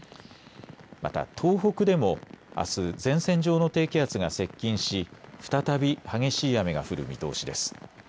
また東北でもあす前線上の低気圧が接近し再び激しい雨が降る見通しです。